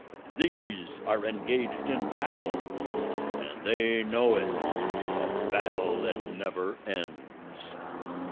These are engaged in battle, and they know it a battle that never ends.